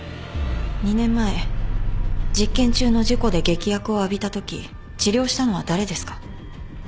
２年前実験中の事故で劇薬を浴びたとき治療したのは誰ですか？